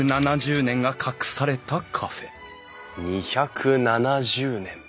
２７０年？